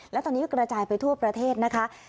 และตอนนี้กระจายไปทั่วประเทศนะคะ